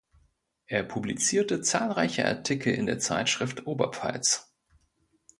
Er publizierte zahlreiche Artikel in der Zeitschrift "Oberpfalz".